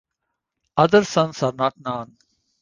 Other sons are not known.